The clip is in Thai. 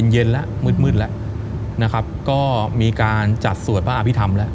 เย็นแล้วมืดแล้วนะครับก็มีการจัดสวดพระอภิษฐรรมแล้ว